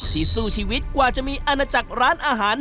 สู้ชีวิตกว่าจะมีอาณาจักรร้านอาหาร